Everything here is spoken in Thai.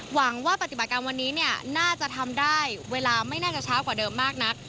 หวังว่าปฏิบัติการวันนี้เนี่ยน่าจะทำได้เวลาไม่น่าจะช้ากว่าเดิมมากนัก